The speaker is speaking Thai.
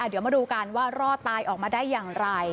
เดี๋ยวมาดูกันว่ารอดตายออกมาได้อย่างไร